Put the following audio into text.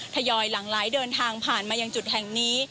ทยอยหลังไหลเดินทางผ่านมายังจุดแห่งนี้